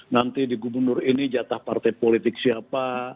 nanti di gubernur ini jatah partai politik siapa